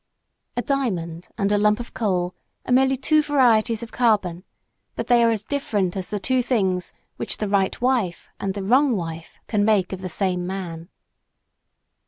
A diamond and a lump of coal are merely two varieties of carbon; but they are as different as the two things which the right wife and the wrong wife can make of the same man.